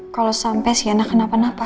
kalau sampai shaina kenapa napa